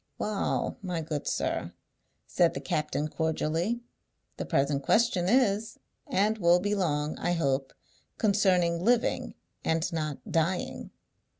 "Wa'al, my good sir," said the captain cordially, "the present question is, and will be long, I hope, concerning living, and not dying.